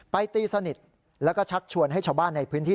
ตีสนิทแล้วก็ชักชวนให้ชาวบ้านในพื้นที่